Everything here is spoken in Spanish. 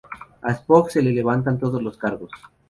A Spock se le levantan todos los cargos.